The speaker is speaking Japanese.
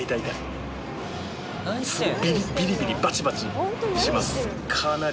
ビリビリバチバチしますかなり。